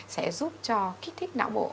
sẽ giúp cho kích thích não bộ